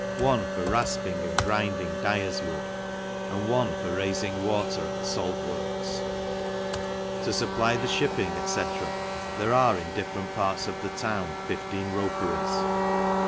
one for rafping and grind \y dyer's wood, and one for raifing water at the it works. To fupply the fhipping, &c, there are ! different parts of the town 15 roperies.